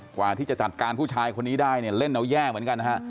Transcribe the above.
กว่าที่จะจัดการผู้ชายคนนี้ได้เนี่ยเล่นเอาแย่เหมือนกันนะฮะ